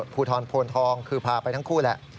ภูทรโพนทองคือพาไปทั้งคู่แหละ